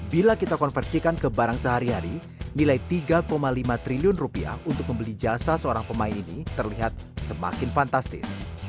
bila kita konversikan ke barang sehari hari nilai tiga lima triliun rupiah untuk membeli jasa seorang pemain ini terlihat semakin fantastis